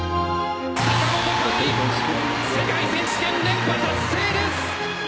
坂本花織世界選手権連覇達成です！